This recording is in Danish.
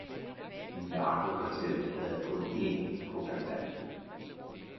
Narkokartellet havde kun én kokaplante.